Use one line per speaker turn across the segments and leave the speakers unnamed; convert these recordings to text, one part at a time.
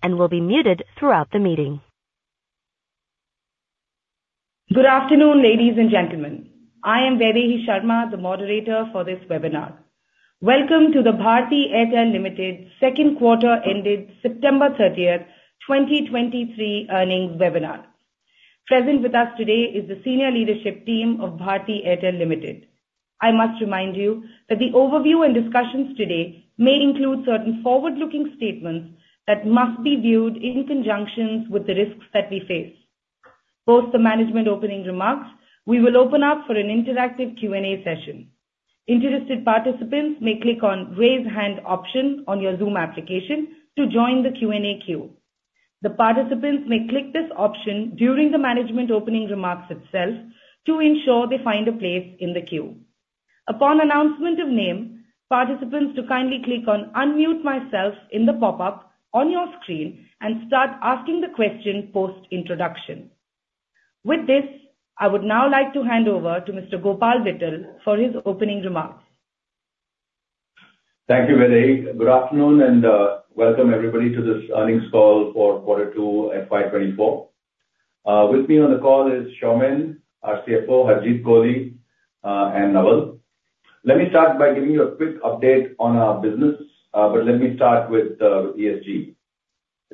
And will be muted throughout the meeting. Good afternoon, ladies and gentlemen. I am Vaidehi Sharma, the moderator for this webinar. Welcome to the Bharti Airtel Limited second quarter ended September 30, 2023 earnings webinar. Present with us today is the senior leadership team of Bharti Airtel Limited. I must remind you that the overview and discussions today may include certain forward-looking statements that must be viewed in conjunction with the risks that we face. Post the management opening remarks, we will open up for an interactive Q&A session. Interested participants may click on Raise Hand option on your Zoom application to join the Q&A queue. The participants may click this option during the management opening remarks itself to ensure they find a place in the queue. Upon announcement of name, participants to kindly click on Unmute Myself in the pop-up on your screen and start asking the question post-introduction. With this, I would now like to hand over to Mr. Gopal Vittal for his opening remarks.
Thank you, Vaidehi. Good afternoon, and welcome everybody to this earnings call for quarter two FY 2024. With me on the call is Soumen, our CFO, Harjeet Kohli, and Naval. Let me start by giving you a quick update on our business, but let me start with ESG.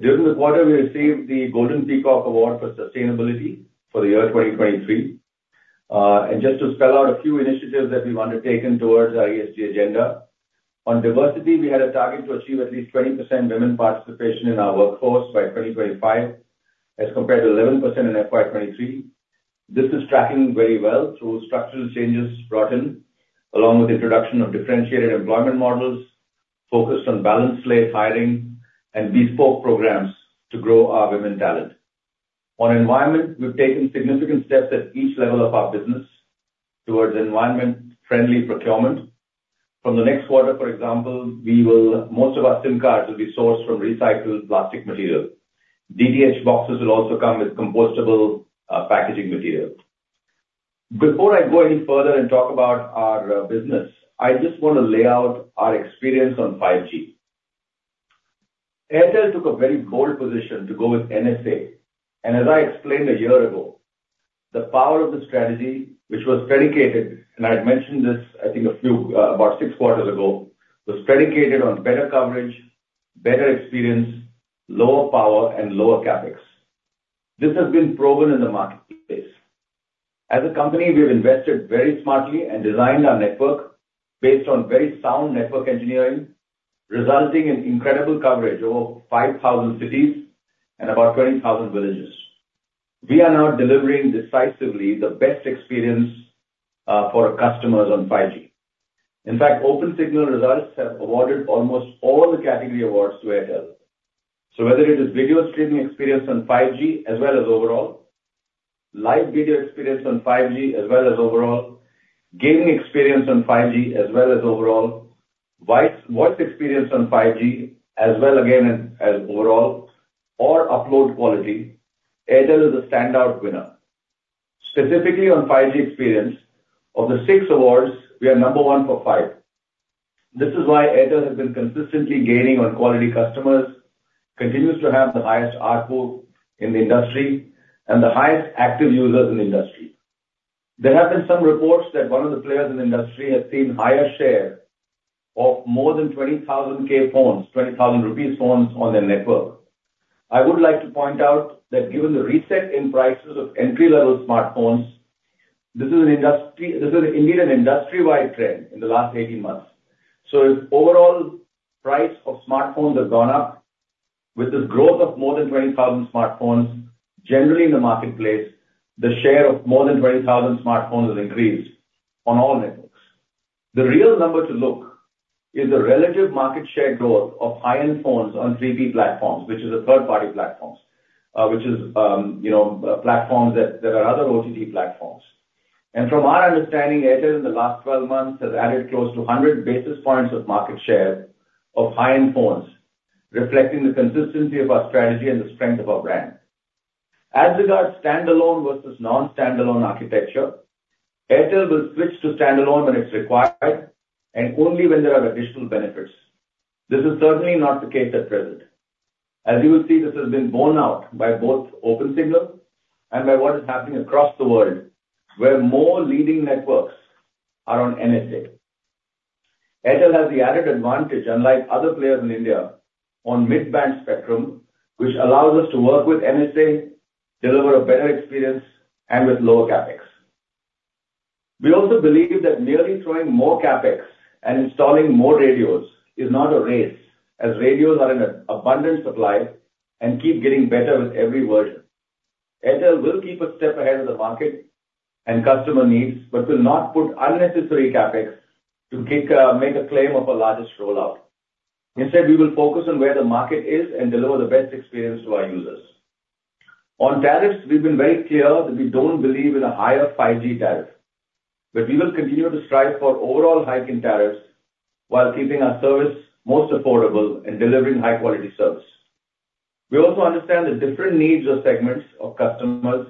During this quarter, we received the Golden Peacock Award for Sustainability for the year 2023. Just to spell out a few initiatives that we've undertaken towards our ESG agenda. On diversity, we had a target to achieve at least 20% women participation in our workforce by 2025, as compared to 11% in FY 2023. This is tracking very well through structural changes brought in, along with introduction of differentiated employment models, focused on balanced slate hiring and bespoke programs to grow our women talent. On environment, we've taken significant steps at each level of our business towards environment-friendly procurement. From the next quarter, for example, we will, most of our SIM cards will be sourced from recycled plastic material. DTH boxes will also come with compostable packaging material. Before I go any further and talk about our business, I just wanna lay out our experience on 5G. Airtel took a very bold position to go with NSA, and as I explained a year ago, the power of the strategy, which was predicated, and I had mentioned this, I think, a few about six quarters ago, was predicated on better coverage, better experience, lower power, and lower CapEx. This has been proven in the marketplace. As a company, we have invested very smartly and designed our network based on very sound network engineering, resulting in incredible coverage over 5,000 cities and about 20,000 villages. We are now delivering decisively the best experience for our customers on 5G. In fact, OpenSignal results have awarded almost all the category awards to Airtel. So whether it is video streaming experience on 5G as well as overall, live video experience on 5G as well as overall, gaming experience on 5G as well as overall, voice experience on 5G, as well, again, as overall or upload quality, Airtel is a standout winner. Specifically on 5G experience, of the six awards, we are number one for five. This is why Airtel has been consistently gaining on quality customers, continues to have the highest ARPU in the industry and the highest active users in the industry. There have been some reports that one of the players in the industry has seen higher share of more than 20,000-rupee phones, 20,000-rupee phones on their network. I would like to point out that given the reset in prices of entry-level smartphones, this is an industry. This is indeed an industry-wide trend in the last 18 months. So if overall price of smartphones has gone up, with this growth of more than 20,000 smartphones, generally in the marketplace, the share of more than 20,000 smartphones has increased on all networks. The real number to look is the relative market share growth of high-end phones on third-party platforms, which are, you know, platforms that are other OTT platforms. From our understanding, Airtel in the last 12 months has added close to 100 basis points of market share of high-end phones, reflecting the consistency of our strategy and the strength of our brand. As regards standalone versus non-standalone architecture, Airtel will switch to standalone when it's required and only when there are additional benefits. This is certainly not the case at present. As you will see, this has been borne out by both OpenSignal and by what is happening across the world, where more leading networks are on NSA. Airtel has the added advantage, unlike other players in India, on mid-band spectrum, which allows us to work with NSA, deliver a better experience, and with lower CapEx. We also believe that merely throwing more CapEx and installing more radios is not a race, as radios are in abundance supply and keep getting better with every version. Airtel will keep a step ahead of the market and customer needs, but will not put unnecessary CapEx to make a claim of a largest rollout. Instead, we will focus on where the market is and deliver the best experience to our users. On tariffs, we've been very clear that we don't believe in a higher 5G tariff, but we will continue to strive for overall hike in tariffs while keeping our service most affordable and delivering high-quality service. We also understand the different needs of segments of customers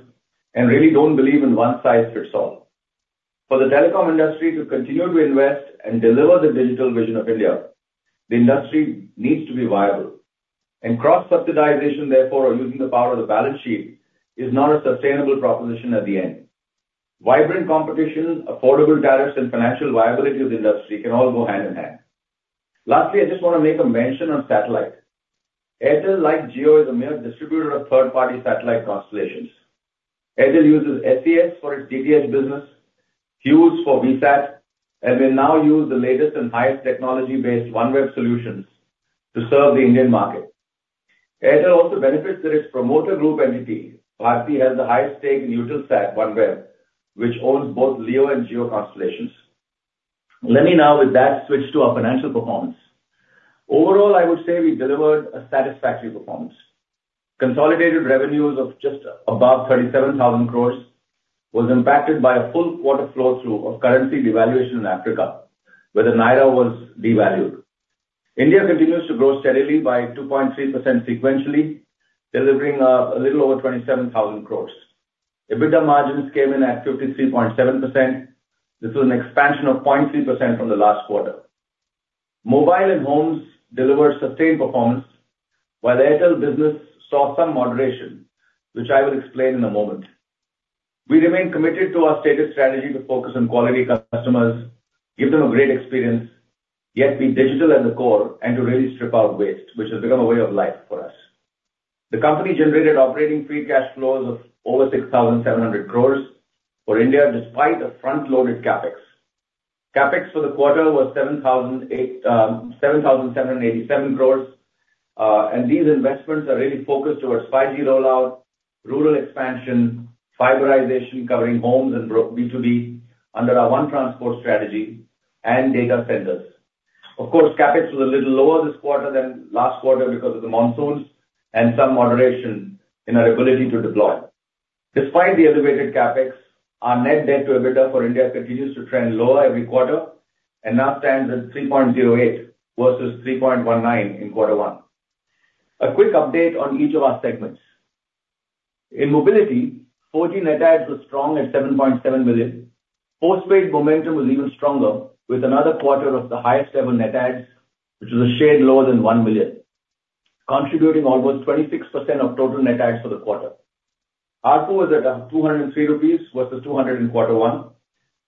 and really don't believe in one-size-fits-all.... For the telecom industry to continue to invest and deliver the digital vision of India, the industry needs to be viable, and cross-subsidization, therefore, or using the power of the balance sheet, is not a sustainable proposition at the end. Vibrant competition, affordable tariffs, and financial viability of the industry can all go hand in hand. Lastly, I just want to make a mention on satellite. Airtel, like Jio, is a mere distributor of third-party satellite constellations. Airtel uses SES for its DTH business, Hughes for VSAT, and we now use the latest and highest technology-based OneWeb solutions to serve the Indian market. Airtel also benefits that its promoter group entity, Bharti, has the highest stake in Eutelsat OneWeb, which owns both LEO and GEO constellations. Let me now, with that, switch to our financial performance. Overall, I would say we delivered a satisfactory performance. Consolidated revenues of just about 37,000 crore was impacted by a full quarter flow-through of currency devaluation in Africa, where the Naira was devalued. India continues to grow steadily by 2.3% sequentially, delivering, a little over 27,000 crore. EBITDA margins came in at 53.7%. This was an expansion of 0.3% from the last quarter. Mobile and homes delivered sustained performance, while the Airtel business saw some moderation, which I will explain in a moment. We remain committed to our stated strategy to focus on quality customers, give them a great experience, yet be digital at the core and to really strip out waste, which has become a way of life for us. The company generated operating free cash flows of over 6,700 crore for India, despite a front-loaded CapEx. CapEx for the quarter was 7,787 crore, and these investments are really focused towards 5G rollout, rural expansion, fiberization, covering homes and B2B under our One Transport strategy and data centers. Of course, CapEx was a little lower this quarter than last quarter because of the monsoons and some moderation in our ability to deploy. Despite the elevated CapEx, our net debt to EBITDA for India continues to trend lower every quarter and now stands at 3.08 versus 3.19 in quarter one. A quick update on each of our segments. In mobility, 4G net adds was strong at 7.7 million. Postpaid momentum was even stronger, with another quarter of the highest ever net adds, which is a shade lower than one million, contributing almost 26% of total net adds for the quarter. ARPU was at 203 rupees versus 200 in quarter one.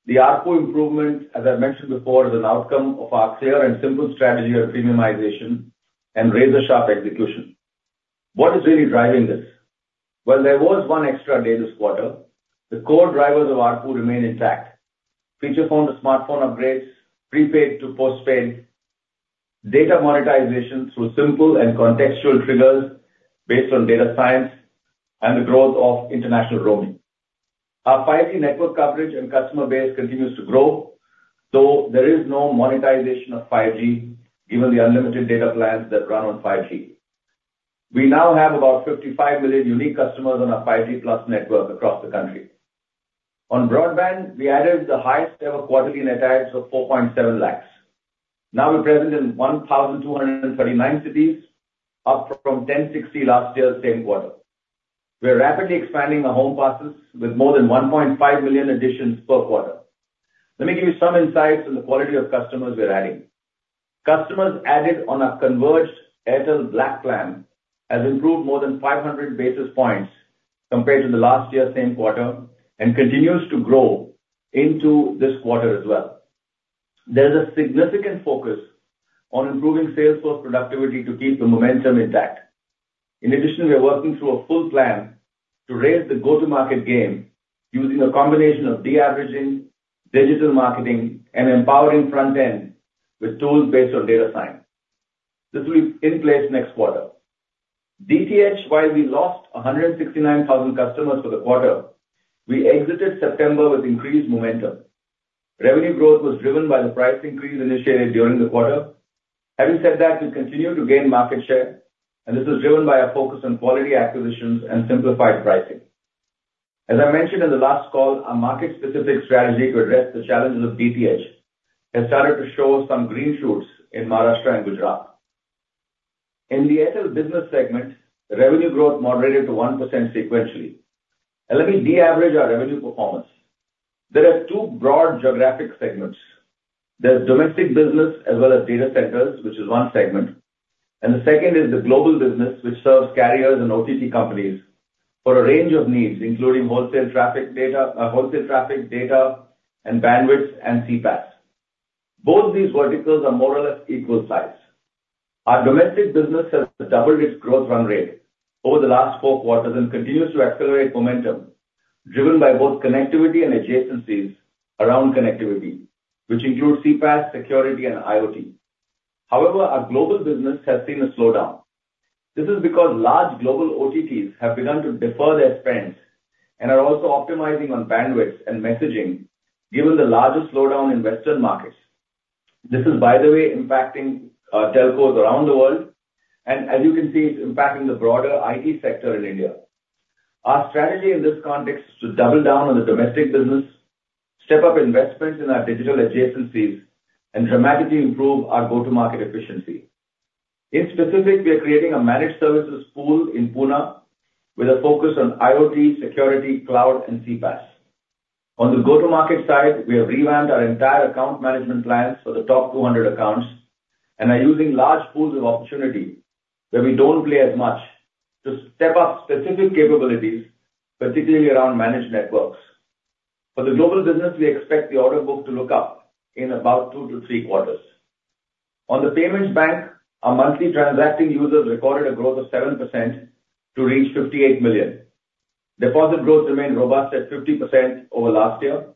The ARPU improvement, as I mentioned before, is an outcome of our clear and simple strategy of premiumization and razor-sharp execution. What is really driving this? While there was one extra day this quarter, the core drivers of ARPU remain intact: Feature phone to smartphone upgrades, prepaid to postpaid, data monetization through simple and contextual triggers based on data science, and the growth of international roaming. Our 5G network coverage and customer base continues to grow, though there is no monetization of 5G, given the unlimited data plans that run on 5G. We now have about 55 million unique customers on our 5G Plus network across the country. On broadband, we added the highest ever quarterly net adds of 4.7 lakhs. Now we're present in 1,239 cities, up from 1,060 last year, same quarter. We are rapidly expanding our home passes with more than 1.5 million additions per quarter. Let me give you some insights on the quality of customers we are adding. Customers added on our converged Airtel Black plan has improved more than 500 basis points compared to the last year, same quarter, and continues to grow into this quarter as well. There's a significant focus on improving sales force productivity to keep the momentum intact. In addition, we are working through a full plan to raise the go-to-market game using a combination of de-averaging, digital marketing, and empowering front end with tools based on data science. This will be in place next quarter. DTH, while we lost 169,000 customers for the quarter, we exited September with increased momentum. Revenue growth was driven by the price increase initiated during the quarter. Having said that, we continue to gain market share, and this is driven by a focus on quality acquisitions and simplified pricing. As I mentioned in the last call, our market-specific strategy to address the challenges of DTH has started to show some green shoots in Maharashtra and Gujarat. In the Airtel business segment, revenue growth moderated to 1% sequentially. Let me de-average our revenue performance. There are two broad geographic segments. There's domestic business as well as data centers, which is one segment, and the second is the global business, which serves carriers and OTT companies for a range of needs, including wholesale traffic data, wholesale traffic data and bandwidth and CPaaS. Both these verticals are more or less equal size. Our domestic business has doubled its growth run rate over the last four quarters and continues to accelerate momentum, driven by both connectivity and adjacencies around connectivity, which include CPaaS, security, and IoT. However, our global business has seen a slowdown. This is because large global OTTs have begun to defer their spends and are also optimizing on bandwidth and messaging given the larger slowdown in Western markets. This is, by the way, impacting telcos around the world, and as you can see, it's impacting the broader IT sector in India. Our strategy in this context is to double down on the domestic business, step up investments in our digital adjacencies, and dramatically improve our go-to-market efficiency. In specific, we are creating a managed services pool in Pune with a focus on IoT, security, cloud, and CPaaS. On the go-to-market side, we have revamped our entire account management plans for the top 200 accounts, and are using large pools of opportunity where we don't play as much, to step up specific capabilities, particularly around managed networks. For the global business, we expect the order book to look up in about two to three quarters. On the payments bank, our monthly transacting users recorded a growth of 7% to reach 58 million. Deposit growth remained robust at 50% over last year,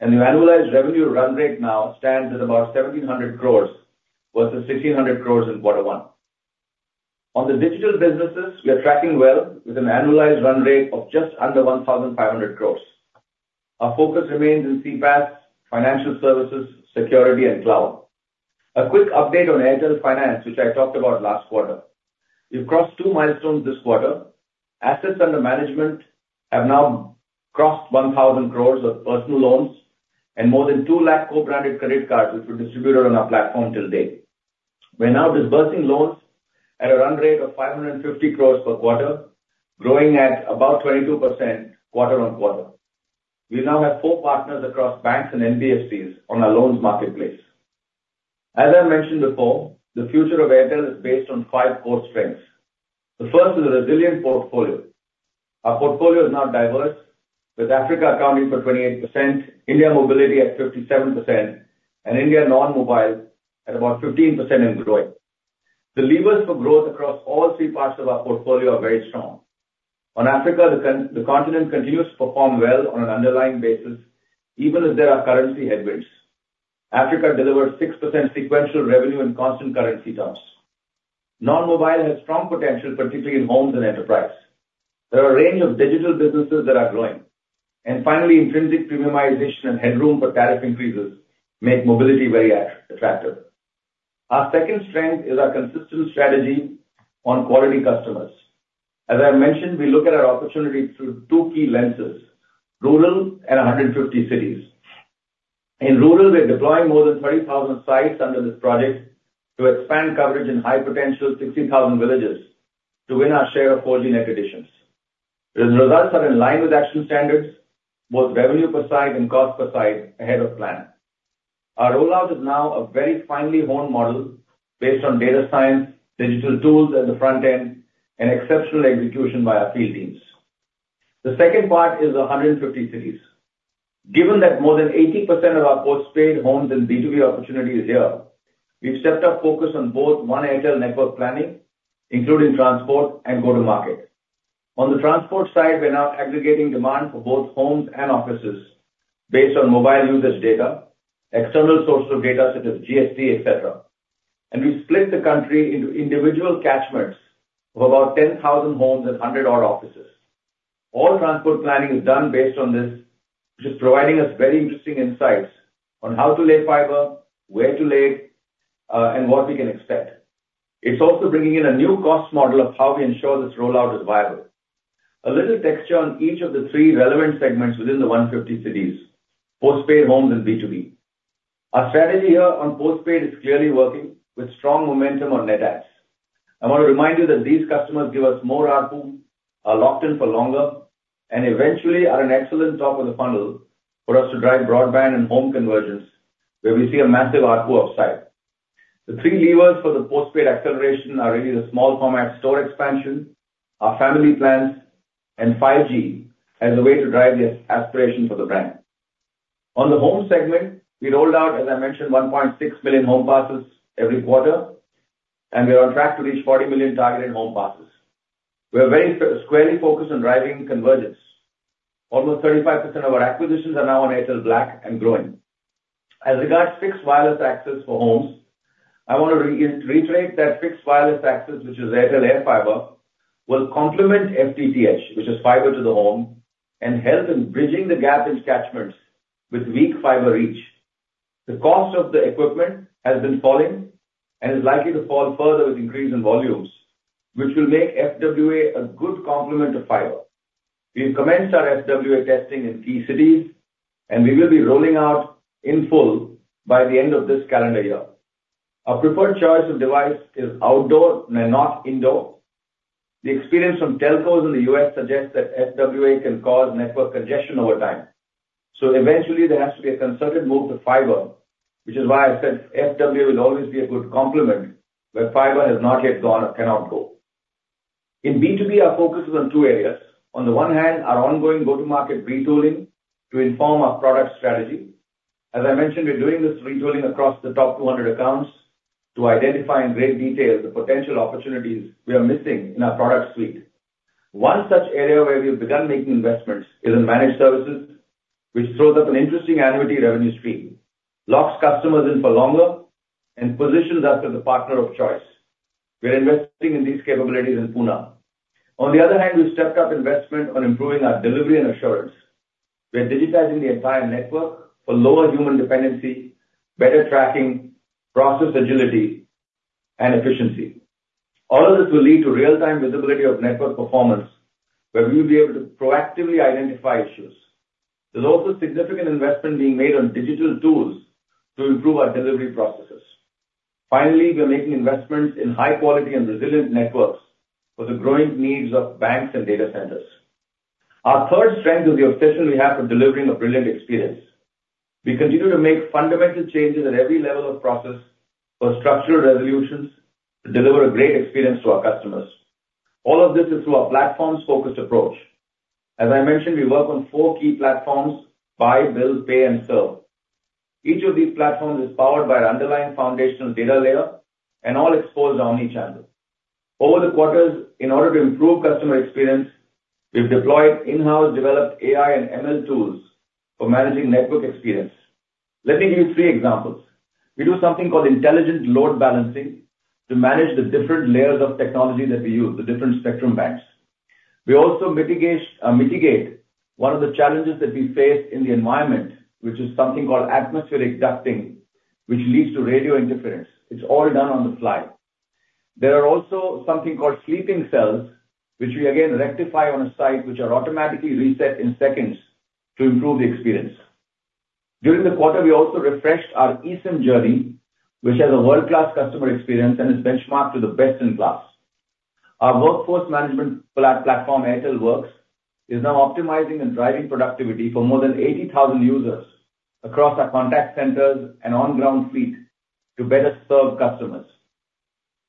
and the annualized revenue run rate now stands at about 1,700 crores versus 1,600 crores in quarter one. On the digital businesses, we are tracking well with an annualized run rate of just under 1,500 crores. Our focus remains in CPaaS, financial services, security, and cloud. A quick update on Airtel Finance, which I talked about last quarter. We've crossed two milestones this quarter. Assets under management have now crossed 1,000 crore of personal loans and more than 200,000 co-branded credit cards, which were distributed on our platform till date. We're now disbursing loans at a run rate of 550 crore per quarter, growing at about 22% quarter on quarter. We now have four partners across banks and NBFCs on our loans marketplace. As I mentioned before, the future of Airtel is based on five core strengths. The first is a resilient portfolio. Our portfolio is now diverse, with Africa accounting for 28%, India mobility at 57%, and India non-mobile at about 15% and growing. The levers for growth across all three parts of our portfolio are very strong. On Africa, the continent continues to perform well on an underlying basis, even as there are currency headwinds. Africa delivered 6% sequential revenue in constant currency terms. Non-mobile has strong potential, particularly in homes and enterprise. There are a range of digital businesses that are growing. And finally, intrinsic premiumization and headroom for tariff increases make mobility very attractive. Our second strength is our consistent strategy on quality customers. As I mentioned, we look at our opportunity through two key lenses, rural and 150 cities. In rural, we're deploying more than 30,000 sites under this project to expand coverage in high-potential 60,000 villages to win our share of 4G net additions. The results are in line with actual standards, both revenue per site and cost per site ahead of plan. Our rollout is now a very finely honed model based on data science, digital tools at the front end, and exceptional execution by our field teams. The second part is the 150 cities. Given that more than 80% of our postpaid, homes, and B2B opportunity is here, we've stepped up focus on both one Airtel network planning, including transport and go-to-market. On the transport side, we're now aggregating demand for both homes and offices based on mobile users' data, external sources of data such as GST, et cetera. We've split the country into individual catchments of about 10,000 homes and 100-odd offices. All transport planning is done based on this, which is providing us very interesting insights on how to lay fiber, where to lay, and what we can expect. It's also bringing in a new cost model of how we ensure this rollout is viable. A little texture on each of the three relevant segments within the 150 cities, postpaid, homes, and B2B. Our strategy here on postpaid is clearly working, with strong momentum on net adds. I want to remind you that these customers give us more ARPU, are locked in for longer, and eventually are an excellent top of the funnel for us to drive broadband and home convergence, where we see a massive ARPU upside. The three levers for the postpaid acceleration are really the small format store expansion, our family plans, and 5G as a way to drive the aspiration for the brand. On the home segment, we rolled out, as I mentioned, 1.6 million home passes every quarter, and we are on track to reach 40 million targeted home passes. We are very squarely focused on driving convergence. Almost 35% of our acquisitions are now on Airtel Black and growing. As regards fixed wireless access for homes, I want to reiterate that fixed wireless access, which is Airtel AirFiber, will complement FTTH, which is fiber to the home, and help in bridging the gap in catchments with weak fiber reach. The cost of the equipment has been falling and is likely to fall further with increase in volumes, which will make FWA a good complement to fiber. We've commenced our FWA testing in key cities, and we will be rolling out in full by the end of this calendar year. Our preferred choice of device is outdoor, not indoor. The experience from telcos in the U.S. suggests that FWA can cause network congestion over time, so eventually there has to be a concerted move to fiber, which is why I said FWA will always be a good complement, but fiber has not yet gone or cannot go. In B2B, our focus is on two areas. On the one hand, our ongoing go-to-market retooling to inform our product strategy. As I mentioned, we're doing this retooling across the top 200 accounts to identify in great detail the potential opportunities we are missing in our product suite. One such area where we've begun making investments is in managed services, which throws up an interesting annuity revenue stream, locks customers in for longer, and positions us as a partner of choice. We're investing in these capabilities in Pune. On the other hand, we've stepped up investment on improving our delivery and assurance. We're digitizing the entire network for lower human dependency, better tracking, process agility, and efficiency. All of this will lead to real-time visibility of network performance, where we will be able to proactively identify issues. There's also significant investment being made on digital tools to improve our delivery processes. Finally, we are making investments in high quality and resilient networks for the growing needs of banks and data centers. Our third strength is the obsession we have for delivering a brilliant experience. We continue to make fundamental changes at every level of process for structural resolutions to deliver a great experience to our customers. All of this is through our platform-focused approach. As I mentioned, we work on four key platforms: buy, build, pay, and serve. Each of these platforms is powered by an underlying foundational data layer and all exposed omnichannel. Over the quarters, in order to improve customer experience, we've deployed in-house developed AI and ML tools for managing network experience. Let me give you three examples. We do something called intelligent load balancing to manage the different layers of technology that we use, the different spectrum bands. We also mitigate, mitigate one of the challenges that we face in the environment, which is something called atmospheric ducting, which leads to radio interference. It's all done on the fly. There are also something called sleeping cells, which we again rectify on a site, which are automatically reset in seconds to improve the experience. During the quarter, we also refreshed our eSIM journey, which has a world-class customer experience and is benchmarked to the best-in-class. Our workforce management platform, Airtel Works, is now optimizing and driving productivity for more than 80,000 users across our contact centers and on-ground fleet to better serve customers.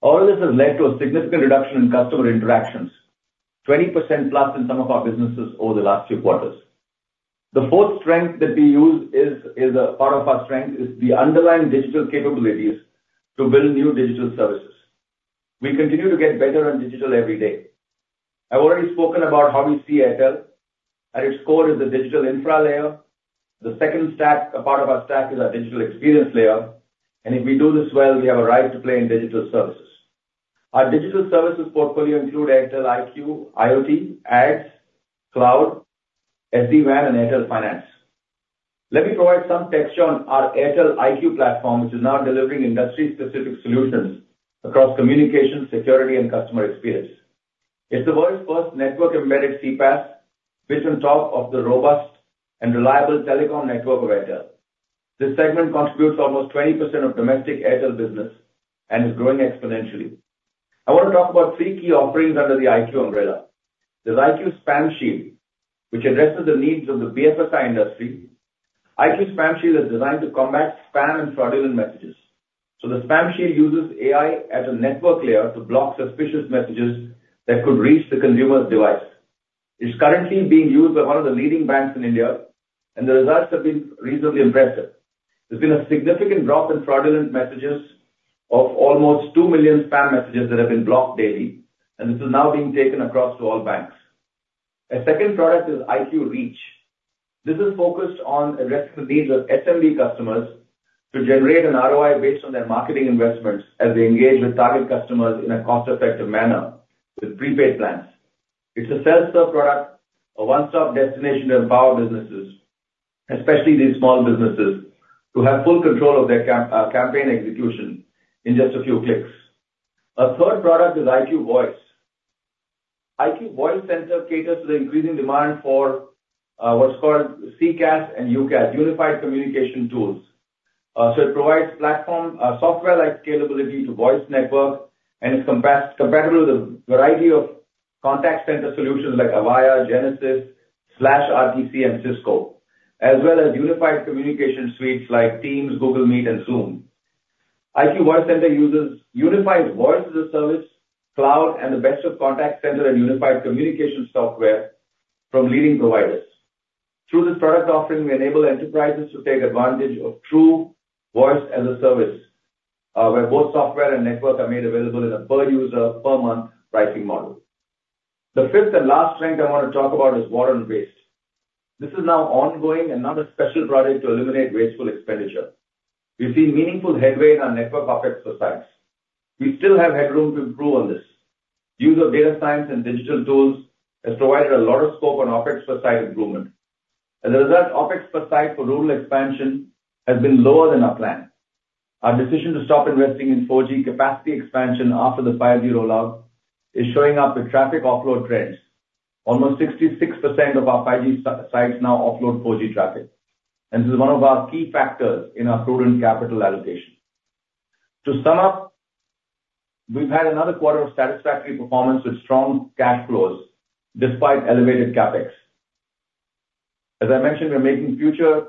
All of this has led to a significant reduction in customer interactions, 20%+ in some of our businesses over the last few quarters. The fourth strength that we use is a part of our strength, the underlying digital capabilities to build new digital services. We continue to get better on digital every day. I've already spoken about how we see Airtel, and it's scored as a digital infra layer. The second stack, a part of our stack, is our digital experience layer, and if we do this well, we have a right to play in digital services. Our digital services portfolio include Airtel IQ, IoT, ads, cloud, SD-WAN, and Airtel Finance. Let me provide some texture on our Airtel IQ platform, which is now delivering industry-specific solutions across communication, security, and customer experience. It's the world's first network-embedded CPaaS, built on top of the robust and reliable telecom network of Airtel. This segment contributes almost 20% of domestic Airtel business and is growing exponentially. I want to talk about three key offerings under the IQ umbrella. There's IQ Spam Shield, which addresses the needs of the BFSI industry. IQ Spam Shield is designed to combat spam and fraudulent messages. So the Spam Shield uses AI as a network layer to block suspicious messages that could reach the consumer's device. It's currently being used by one of the leading banks in India, and the results have been reasonably impressive. There's been a significant drop in fraudulent messages of almost two million spam messages that have been blocked daily, and this is now being taken across to all banks. A second product is IQ Reach. This is focused on addressing the needs of SMB customers to generate an ROI based on their marketing investments as they engage with target customers in a cost-effective manner with prepaid plans. It's a self-serve product, a one-stop destination to empower businesses, especially these small businesses, to have full control of their campaign execution in just a few clicks. Our third product is IQ Voice. IQ Voice Center caters to the increasing demand for what's called CCaaS and UCaaS, unified communication tools. So it provides platform software-like scalability to voice network and is comparable to the variety of contact center solutions like Avaya, Genesys, SlashRTC, and Cisco, as well as unified communication suites like Teams, Google Meet, and Zoom. IQ Voice Center uses unified voice as a service, cloud, and the best of contact center and unified communication software from leading providers. Through this product offering, we enable enterprises to take advantage of true voice as a service, where both software and network are made available in a per user, per month pricing model. The fifth and last strength I want to talk about is water and waste. This is now ongoing and not a special project to eliminate wasteful expenditure. We've seen meaningful headway in our network OpEx per sites. We still have headroom to improve on this. Use of data science and digital tools has provided a lot of scope on OpEx per site improvement. As a result, OpEx per site for rural expansion has been lower than our plan. Our decision to stop investing in 4G capacity expansion after the 5G rollout is showing up in traffic offload trends. Almost 66% of our 5G sites now offload 4G traffic, and this is one of our key factors in our prudent capital allocation. To sum up, we've had another quarter of satisfactory performance with strong cash flows despite elevated CapEx. As I mentioned, we're making future,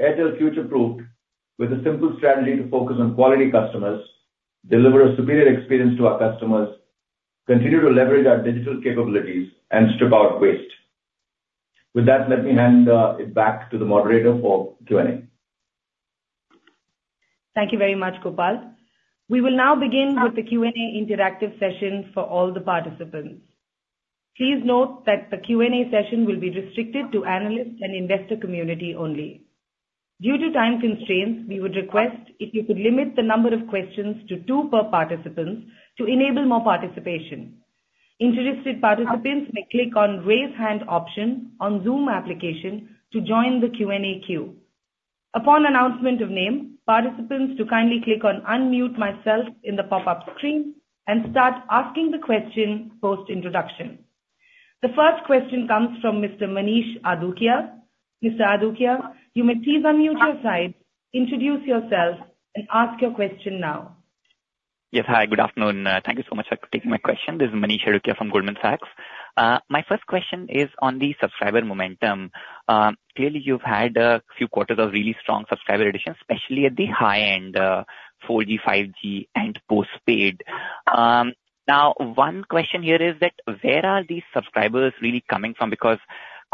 Airtel future-proofed with a simple strategy to focus on quality customers, deliver a superior experience to our customers, continue to leverage our digital capabilities, and strip out waste. With that, let me hand it back to the moderator for Q&A.
Thank you very much, Gopal. We will now begin with the Q&A interactive session for all the participants. Please note that the Q&A session will be restricted to analysts and investor community only. Due to time constraints, we would request if you could limit the number of questions to two per participant to enable more participation. Interested participants may click on Raise Hand option on Zoom application to join the Q&A queue. Upon announcement of name, participants to kindly click on unmute myself in the pop-up screen and start asking the question post introduction. The first question comes from Mr. Manish Adukia. Mr. Adukia, you may please unmute your side, introduce yourself, and ask your question now.
Yes. Hi, good afternoon, thank you so much for taking my question. This is Manish Adukia from Goldman Sachs. My first question is on the subscriber momentum. Clearly, you've had a few quarters of really strong subscriber addition, especially at the high end, 4G, 5G and postpaid. Now, one question here is that, where are these subscribers really coming from? Because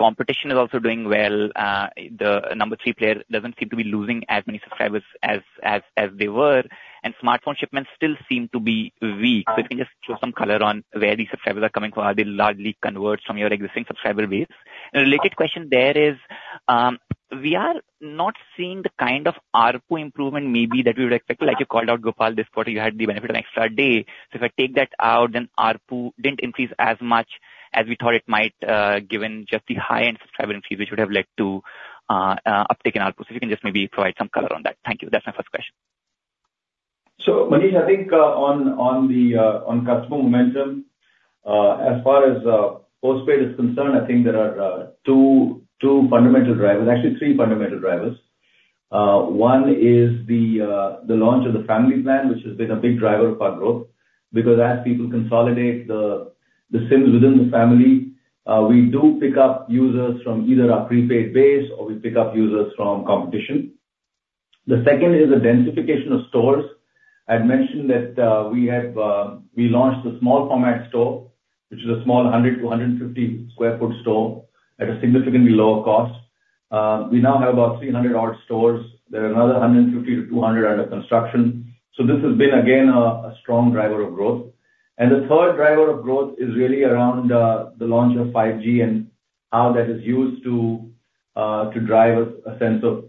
competition is also doing well, the number three player doesn't seem to be losing as many subscribers as they were, and smartphone shipments still seem to be weak. So if you can just show some color on where these subscribers are coming from. Are they largely converts from your existing subscriber base? A related question there is, we are not seeing the kind of ARPU improvement maybe that we would expect. Like you called out, Gopal, this quarter, you had the benefit of an extra day. So if I take that out, then ARPU didn't increase as much as we thought it might, given just the high-end subscriber increase, which would have led to uptick in ARPU. So if you can just maybe provide some color on that. Thank you. That's my first question.
So, Manish, I think, on customer momentum, as far as postpaid is concerned, I think there are two fundamental drivers. Actually, three fundamental drivers. One is the launch of the family plan, which has been a big driver of our growth. Because as people consolidate the SIMs within the family, we do pick up users from either our prepaid base or we pick up users from competition. The second is the densification of stores. I had mentioned that, we launched a small format store, which is a small 100- to 150-sq ft store at a significantly lower cost. We now have about 300-odd stores. There are another 150- to 200 under construction. So this has been, again, a strong driver of growth. The third driver of growth is really around the launch of 5G and how that is used to drive a sense of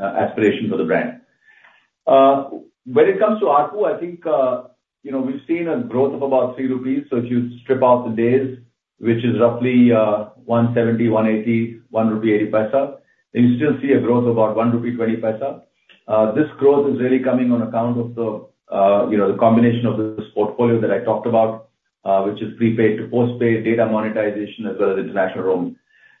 aspiration for the brand. When it comes to ARPU, I think you know, we've seen a growth of about 3 rupees. So if you strip out the days, which is roughly 170-180, 1.80, you still see a growth of about 1.20 rupee. This growth is really coming on account of the you know, the combination of this portfolio that I talked about, which is prepaid to postpaid, data monetization, as well as international roam.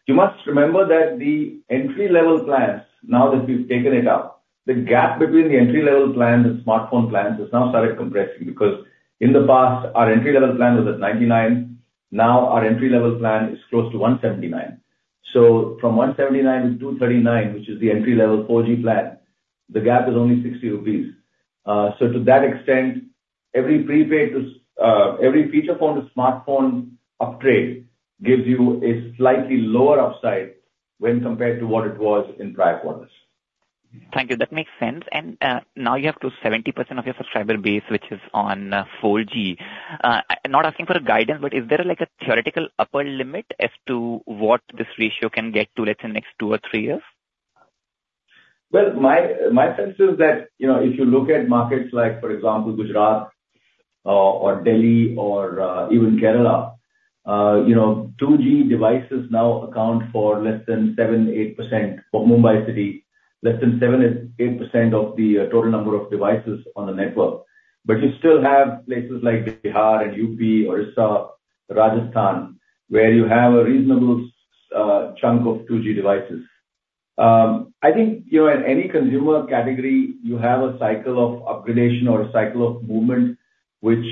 You must remember that the entry-level plans, now that we've taken it up, the gap between the entry-level plans and smartphone plans has now started compressing. Because in the past, our entry-level plan was at 99, now our entry-level plan is close to 179. So from 179 to 239, which is the entry-level 4G plan, the gap is only 60 rupees. So to that extent, every feature phone to smartphone upgrade gives you a slightly lower upside when compared to what it was in prior quarters.
Thank you. That makes sense. And, now you have close to 70% of your subscriber base, which is on 4G. I'm not asking for a guidance, but is there, like, a theoretical upper limit as to what this ratio can get to, let's say, next two or three years?
Well, my sense is that, you know, if you look at markets like, for example, Gujarat, or Delhi, or even Kerala, you know, 2G devices now account for less than 7%-8%. For Mumbai city, less than 7%-8% of the total number of devices on the network. But you still have places like Bihar and UP, Orissa, Rajasthan, where you have a reasonable chunk of 2G devices. I think, you know, in any consumer category, you have a cycle of upgradation or a cycle of movement, which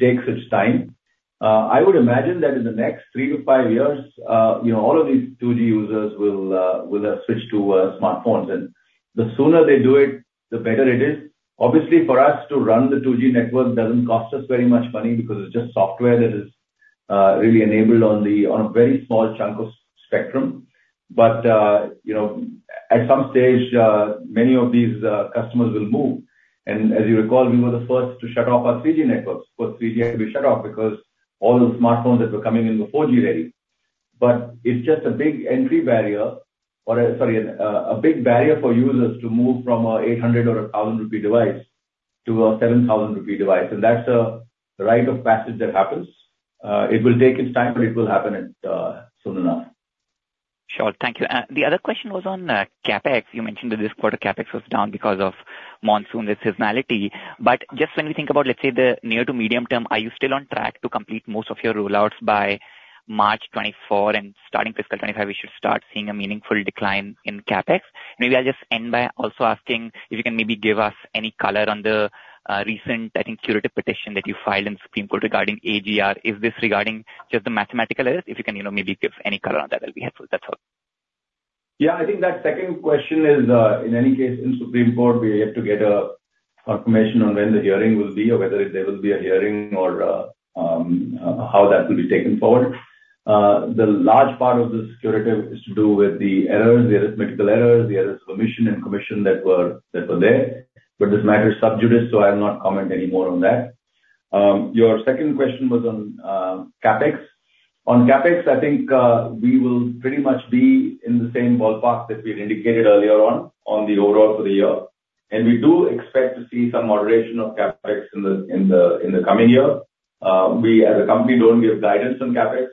takes its time. I would imagine that in the next three to five years, you know, all of these 2G users will switch to smartphones, and the sooner they do it, the better it is. Obviously, for us to run the 2G network doesn't cost us very much money because it's just software that is really enabled on the, on a very small chunk of spectrum. But you know, at some stage, many of these customers will move. And as you recall, we were the first to shut off our 3G networks. Of course, 3G had to be shut off because all the smartphones that were coming in were 4G ready. But it's just a big entry barrier or a big barrier for users to move from an 800 or a 1,000 rupee device to a 7,000 rupee device, and that's a rite of passage that happens. It will take its time, but it will happen at soon enough.
Sure. Thank you. The other question was on, CapEx. You mentioned that this quarter CapEx was down because of monsoon seasonality. But just when we think about, let's say, the near to medium term, are you still on track to complete most of your rollouts by March 2024, and starting fiscal 2025, we should start seeing a meaningful decline in CapEx? Maybe I'll just end by also asking if you can maybe give us any color on the, recent, I think, curative petition that you filed in Supreme Court regarding AGR. Is this regarding just the mathematical errors? If you can, you know, maybe give any color on that, that'll be helpful. That's all.
Yeah, I think that second question is, in any case, in Supreme Court, we're yet to get a confirmation on when the hearing will be, or whether there will be a hearing or, how that will be taken forward. The large part of this curative is to do with the errors, the arithmetic errors, the errors of omission and commission that were, that were there. But this matter is sub judice, so I'll not comment any more on that. Your second question was on, CapEx. On CapEx, I think, we will pretty much be in the same ballpark that we had indicated earlier on, on the overall for the year, and we do expect to see some moderation of CapEx in the, in the, in the coming year. We as a company don't give guidance on CapEx.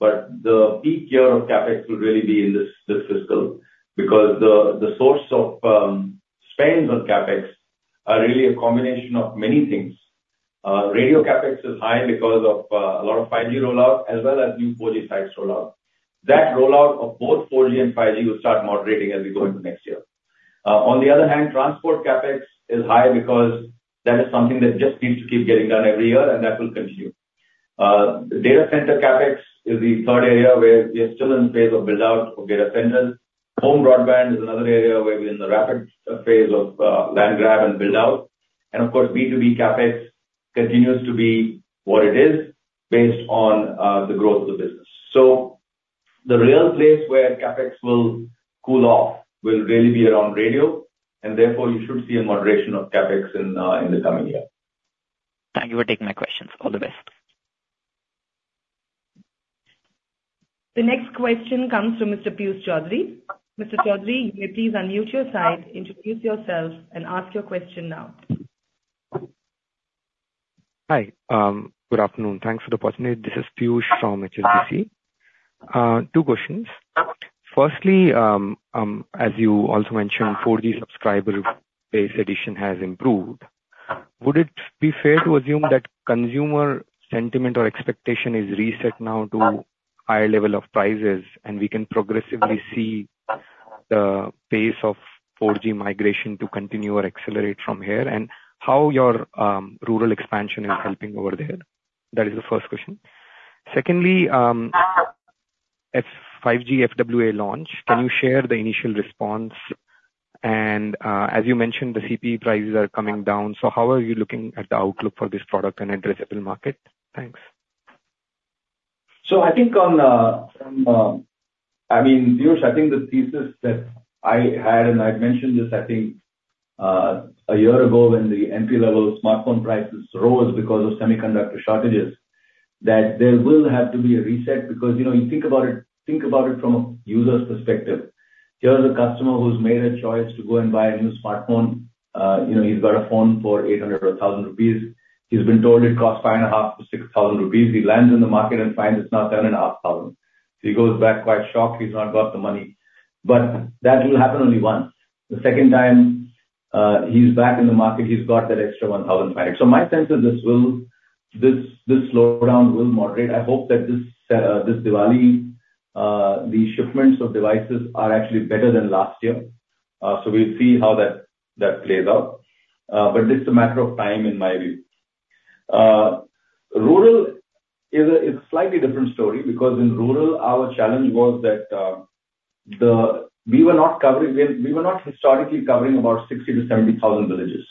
But the peak year of CapEx will really be in this fiscal, because the source of spends on CapEx are really a combination of many things. Radio CapEx is high because of a lot of 5G rollout as well as new 4G sites rollout. That rollout of both 4G and 5G will start moderating as we go into next year. On the other hand, transport CapEx is high because that is something that just needs to keep getting done every year, and that will continue. The data center CapEx is the third area where we are still in the phase of build-out of data centers. Home broadband is another area where we're in the rapid phase of land grab and build-out. And of course, B2B CapEx continues to be what it is, based on the growth of the business. So the real place where CapEx will cool off will really be around radio, and therefore you should see a moderation of CapEx in the coming year.
Thank you for taking my questions. All the best.
The next question comes from Mr. Piyush Choudhary. Mr. Choudhary, you may please unmute your side, introduce yourself, and ask your question now.
Hi. Good afternoon. Thanks for the opportunity. This is Piyush from HSBC. Two questions. Firstly, as you also mentioned, 4G subscriber base addition has improved. Would it be fair to assume that consumer sentiment or expectation is reset now to higher level of prices, and we can progressively see the pace of 4G migration to continue or accelerate from here? And how your rural expansion is helping over there? That is the first question. Secondly, 5G FWA launch, can you share the initial response? And, as you mentioned, the CPE prices are coming down, so how are you looking at the outlook for this product and addressable market? Thanks.
So I think on, I mean, Piyush, I think the thesis that I had, and I'd mentioned this, I think, a year ago, when the entry-level smartphone prices rose because of semiconductor shortages, that there will have to be a reset. Because, you know, you think about it, think about it from a user's perspective. Here's a customer who's made a choice to go and buy a new smartphone. You know, he's got a phone for 800 or 1,000 rupees. He's been told it costs 5.5 thousand-6 thousand rupees. He lands in the market and finds it's now 10.5 thousand. So he goes back quite shocked. He's not got the money. But that will happen only once. The second time, he's back in the market, he's got that extra 1,000. So my sense is this slowdown will moderate. I hope that this Diwali the shipments of devices are actually better than last year. So we'll see how that plays out. But this is a matter of time in my view. Rural is a slightly different story, because in rural, our challenge was that we were not historically covering about 60,000-70,000 villages.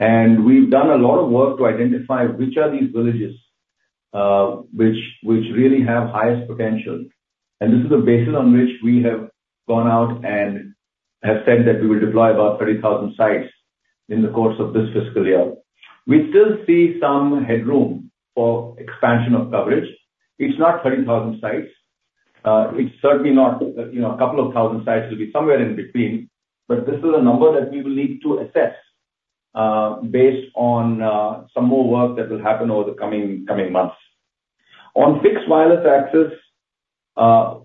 And we've done a lot of work to identify which are these villages, which really have highest potential. And this is a basis on which we have gone out and have said that we will deploy about 30,000 sites in the course of this fiscal year. We still see some headroom for expansion of coverage. It's not 30,000 sites. It's certainly not, you know, a couple of thousand sites. It'll be somewhere in between, but this is a number that we will need to assess based on some more work that will happen over the coming months. On fixed wireless access,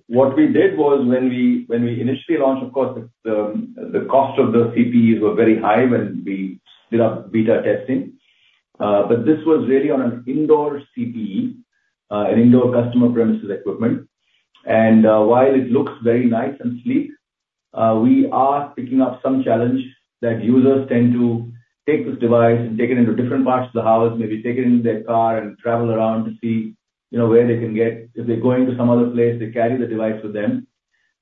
what we did was when we initially launched, of course, the cost of the CPEs were very high when we did our beta testing. But this was really on an indoor CPE, an indoor customer premises equipment. And while it looks very nice and sleek, we are picking up some challenge that users tend to take this device and take it into different parts of the house, maybe take it in their car and travel around to see, you know, where they can get. If they're going to some other place, they carry the device with them.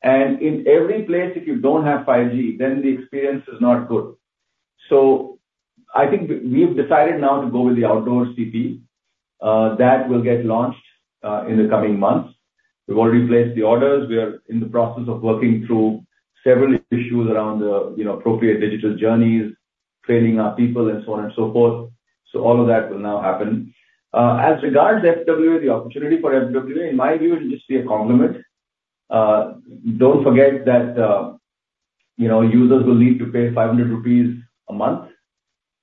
In every place, if you don't have 5G, then the experience is not good. So I think we've decided now to go with the outdoor CPE that will get launched in the coming months. We've already placed the orders. We are in the process of working through several issues around the, you know, appropriate digital journeys, training our people, and so on and so forth. So all of that will now happen. As regards FWA, the opportunity for FWA, in my view, it'll just be a complement. Don't forget that, you know, users will need to pay 500 rupees a month,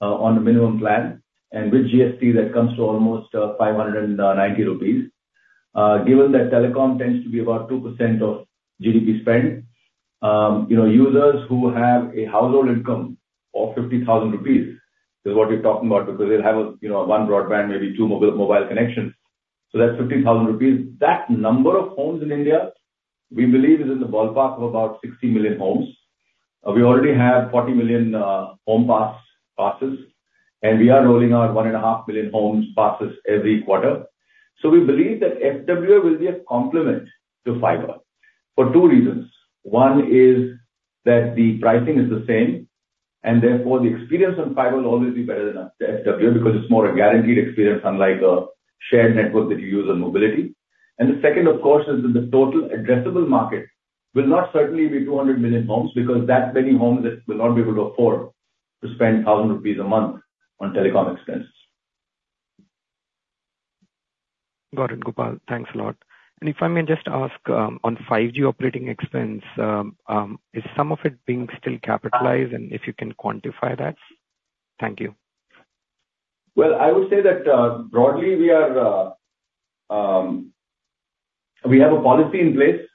on a minimum plan, and with GST, that comes to almost 590 rupees. Given that telecom tends to be about 2% of GDP spend, you know, users who have a household income of 50,000 rupees is what you're talking about, because they'll have a, you know, one broadband, maybe two mobile, mobile connections. So that's 50,000 rupees. That number of homes in India, we believe, is in the ballpark of about 60 million homes. We already have 40 million HomePass passes, and we are rolling out 1.5 million homes passes every quarter. So we believe that FWA will be a complement to fiber for two reasons. One is that the pricing is the same, and therefore, the experience on fiber will always be better than a FWA, because it's more a guaranteed experience, unlike a shared network that you use on mobility. The second, of course, is that the total addressable market will not certainly be 200 million homes, because that many homes will not be able to afford to spend 1,000 rupees a month on telecom expenses.
Got it, Gopal. Thanks a lot. And if I may just ask, on 5G operating expense, is some of it being still capitalized? And if you can quantify that. Thank you.
Well, I would say that, broadly, we are, we have a policy in place,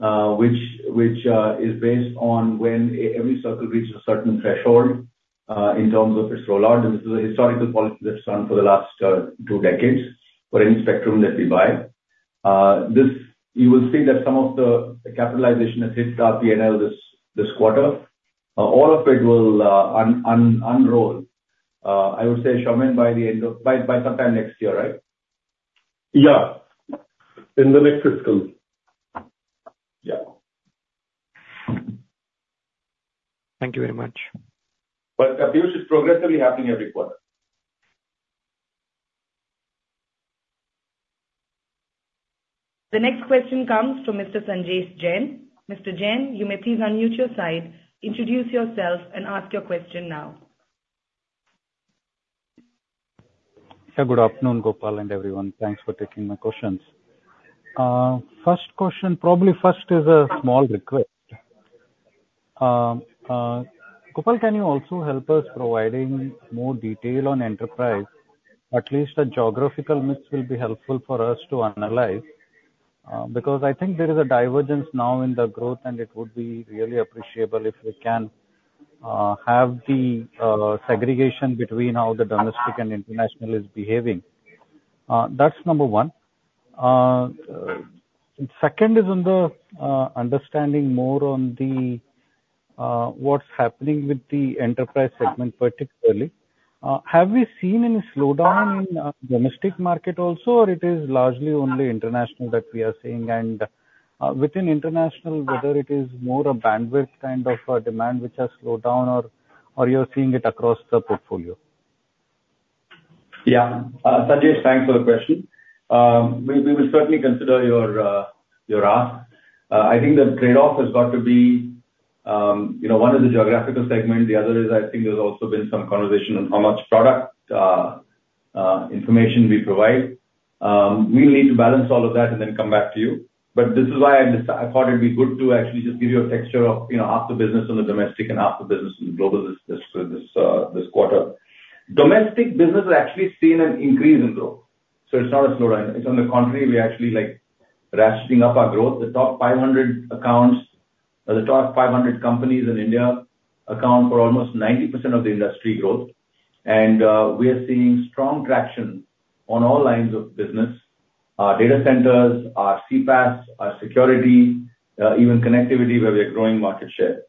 which is based on when every circle reaches a certain threshold, in terms of its rollout, and this is a historical policy that's run for the last, two decades for any spectrum that we buy. This, you will see that some of the capitalization has hit our P&L this quarter. All of it will, unroll, I would say, Soumen, by the end of, by sometime next year, right?
Yeah. In the next fiscal.
Yeah.
Thank you very much.
But abuse is progressively happening every quarter.
The next question comes from Mr. Sanjesh Jain. Mr. Jain, you may please unmute your side, introduce yourself, and ask your question now.
Sir, good afternoon, Gopal and everyone. Thanks for taking my questions. First question, probably first is a small request. Gopal, can you also help us providing more detail on enterprise? At least a geographical mix will be helpful for us to analyze, because I think there is a divergence now in the growth, and it would be really appreciable if we can have the segregation between how the domestic and international is behaving. That's number one. Second is on the understanding more on the what's happening with the enterprise segment, particularly. Have we seen any slowdown in domestic market also, or it is largely only international that we are seeing? And within international, whether it is more a bandwidth kind of a demand which has slowed down or you're seeing it across the portfolio?
Yeah. Sanjesh, thanks for the question. We will certainly consider your ask. I think the trade-off has got to be, you know, one is the geographical segment, the other is I think there's also been some conversation on how much product information we provide. We will need to balance all of that and then come back to you. But this is why I thought it'd be good to actually just give you a picture of, you know, half the business on the domestic and half the business on the global this quarter. Domestic business has actually seen an increase in growth, so it's not a slowdown. It's on the contrary, we're actually, like, ratcheting up our growth. The top 500 accounts, or the top 500 companies in India account for almost 90% of the industry growth. And we are seeing strong traction on all lines of business, our data centers, our CPaaS, our security, even connectivity, where we are growing market share.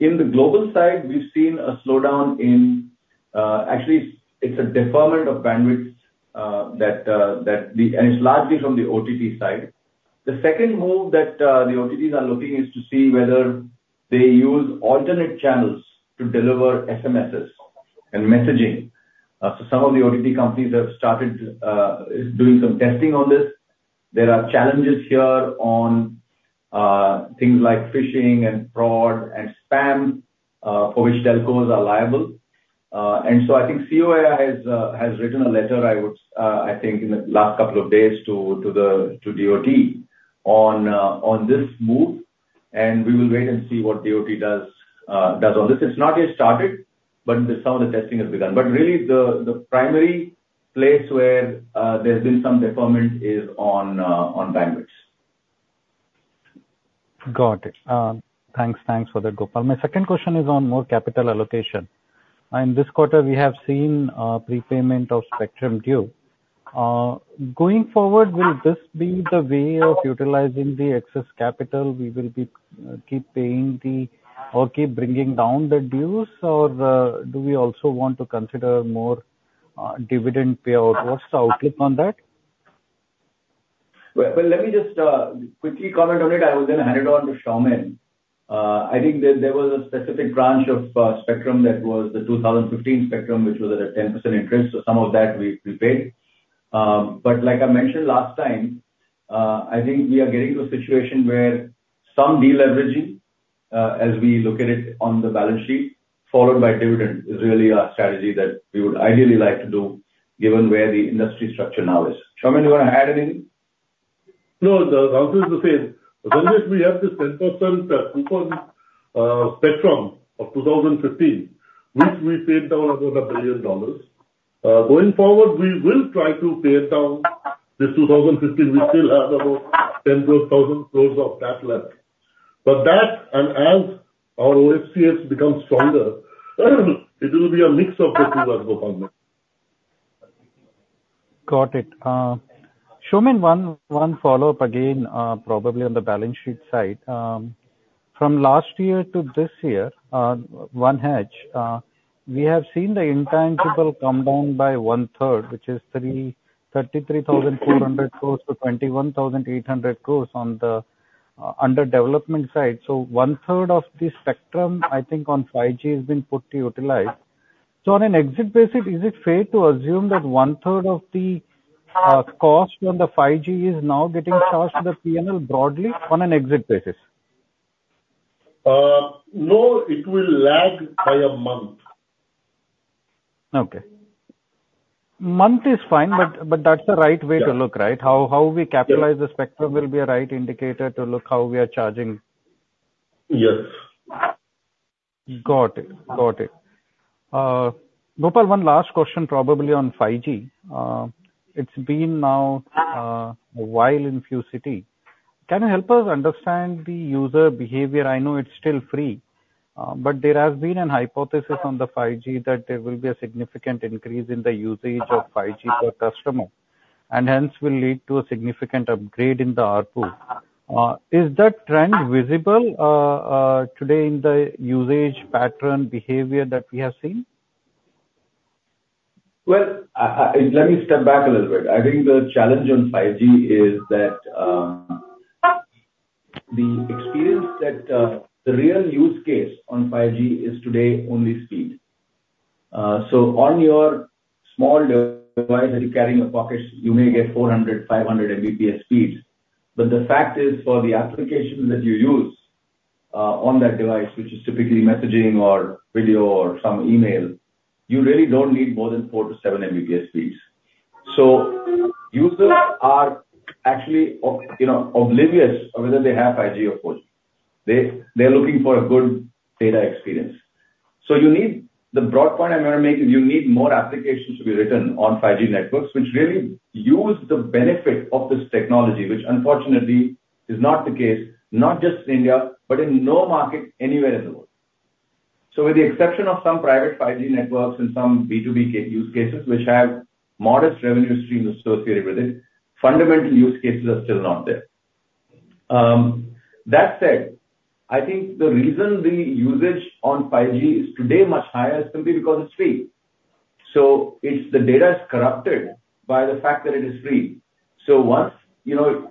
In the global side, we've seen a slowdown. Actually, it's a deferment of bandwidth, and it's largely from the OTT side. The second move that the OTTs are looking is to see whether they use alternate channels to deliver SMSs and messaging. So some of the OTT companies have started doing some testing on this. There are challenges here on things like phishing and fraud and spam, for which telcos are liable. And so I think COAI has written a letter. I would, I think in the last couple of days to the DoT on this move, and we will wait and see what DoT does on this. It's not yet started, but some of the testing has begun. But really, the primary place where there's been some deferment is on bandwidths.
Got it. Thanks. Thanks for that, Gopal. My second question is on more capital allocation. In this quarter, we have seen prepayment of spectrum due. Going forward, will this be the way of utilizing the excess capital? We will be keep paying the or keep bringing down the dues, or do we also want to consider more dividend payout? What's the outlook on that?
Well, well, let me just quickly comment on it. I will then hand it on to Soumen. I think there, there was a specific branch of spectrum, that was the 2015 spectrum, which was at a 10% interest, so some of that we, we paid. But like I mentioned last time, I think we are getting to a situation where some de-leveraging, as we look at it on the balance sheet, followed by dividend, is really our strategy that we would ideally like to do, given where the industry structure now is. Soumen, you want to add anything?
No, the answer is the same. Sanjesh, we have this 10% coupon spectrum of 2015, which we paid down about $1 billion. Going forward, we will try to pay it down. This 2015, we still have about 10,000 crore of that left. But that, and as our OFCF become stronger, it will be a mix of the two, Gopal.
Got it. Soumen, one, one follow-up again, probably on the balance sheet side. From last year to this year, one hedge, we have seen the intangible come down by one third, which is 33,400 crore to 21,800 crore on the under development side. So one third of the spectrum, I think, on 5G has been put to utilize. So on an exit basis, is it fair to assume that one third of the cost on the 5G is now getting charged to the P&L broadly on an exit basis?
No, it will lag by a month.
Okay. Month is fine, but, but that's the right way to look, right?
Yeah.
How we capitalize
Yes.
The spectrum will be a right indicator to look how we are charging.
Yes.
Got it. Got it. Gopal, one last question, probably on 5G. It's been now a while in few city. Can you help us understand the user behavior? I know it's still free, but there has been an hypothesis on the 5G that there will be a significant increase in the usage of 5G per customer, and hence will lead to a significant upgrade in the ARPU. Is that trend visible today in the usage pattern behavior that we have seen?
Well, let me step back a little bit. I think the challenge on 5G is that, the experience that, the real use case on 5G is today only speed. So on your small device that you carry in your pockets, you may get 400, 500 Mbps speeds. But the fact is, for the applications that you use, on that device, which is typically messaging or video or some email, you really don't need more than 4-7 Mbps speeds. So users are actually, you know, oblivious of whether they have 5G or not. They, they're looking for a good data experience. So you need, the broad point I'm going to make, you need more applications to be written on 5G networks, which really use the benefit of this technology, which unfortunately is not the case, not just in India, but in no market anywhere in the world. So with the exception of some private 5G networks and some B2B use cases, which have modest revenue streams associated with it, fundamental use cases are still not there. That said, I think the reason the usage on 5G is today much higher is simply because it's free. So it's, the data is corrupted by the fact that it is free. So once, you know...